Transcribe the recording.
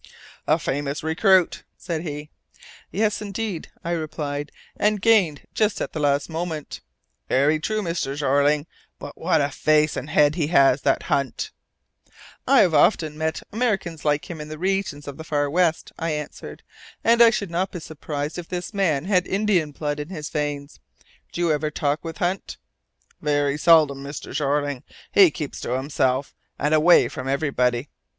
"A famous recruit," said he. "Yes, indeed," I replied, "and gained just at the last moment." "Very true, Mr. Jeorling! But what a face and head he has, that Hunt!" "I have often met Americans like him in the regions of the Far West," I answered, "and I should not be surprised if this man had Indian blood in his veins. Do you ever talk with Hunt?" "Very seldom, Mr. Jeorling. He keeps himself to himself, and away from everybody.